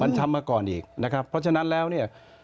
มันทำมาก่อนอีกนะครับเพราะฉะนั้นแล้วเนี่ย